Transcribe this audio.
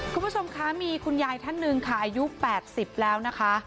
คุณผู้ชมคะมีคุณยายท่านหนึ่งค่ะอายุ๘๐แล้วนะคะ